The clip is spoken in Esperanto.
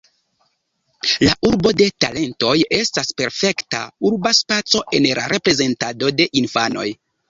La urbo de talentoj estas perfekta urba spaco en la reprezentado de infanoj.